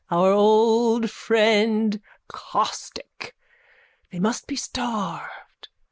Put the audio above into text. Our old friend caustic. They must be starved.